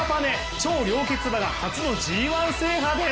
超良血馬が初のＧⅠ制覇です。